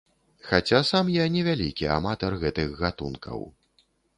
Хаця сам я не вялікі аматар гэтых гатункаў.